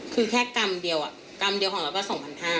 คือแค่กรัมเดียวกรัมเดียวของเราก็๒๕๐๐